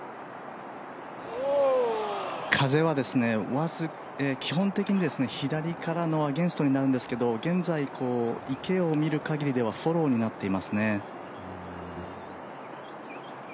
風は基本的に左からのアゲンストになるんですけど現在、池を見るかぎりではフォローになっていますね。